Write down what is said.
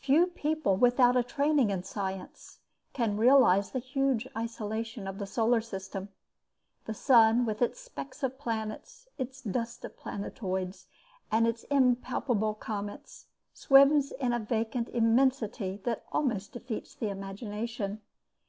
Few people without a training in science can realise the huge isolation of the solar system. The sun with its specks of planets, its dust of planetoids, and its impalpable comets, swims in a vacant immensity that almost defeats the imagination.